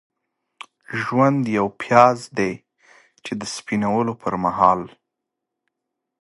ژوند یو پیاز دی چې د سپینولو پرمهال.